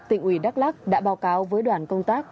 tỉnh ủy đắk lắc đã báo cáo với đoàn công tác